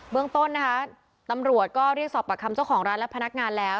เมืองต้นนะคะตำรวจก็เรียกสอบประคำเจ้าของร้านและพนักงานแล้ว